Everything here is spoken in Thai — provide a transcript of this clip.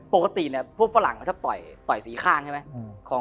ปกตีพวกฝรั่งมันก็จะต่อยศรีข้างใช่ไหม